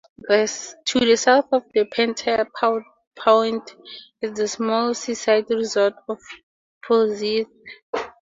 To the south of Pentire Point is the small seaside resort of Polzeath.